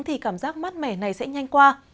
thì cảm giác mát mẻ này sẽ nhanh qua